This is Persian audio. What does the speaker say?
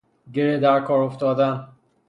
گره در کار افتادن